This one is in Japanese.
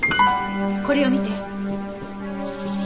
これを見て。